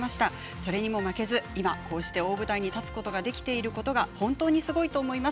それにも負けず今、大舞台に立つことができていることが本当にすごいと思います。